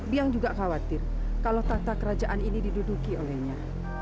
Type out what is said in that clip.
biang juga khawatir kalau tata kerajaan ini diduduki olehnya